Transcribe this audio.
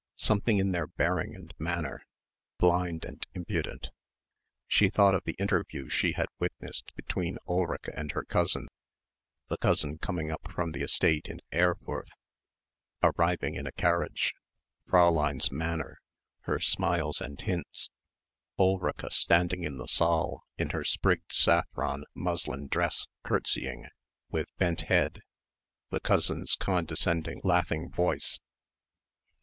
Something in their bearing and manner.... Blind and impudent.... She thought of the interview she had witnessed between Ulrica and her cousin the cousin coming up from the estate in Erfurth, arriving in a carriage, Fräulein's manner, her smiles and hints; Ulrica standing in the saal in her sprigged saffron muslin dress curtseying ... with bent head, the cousin's condescending laughing voice.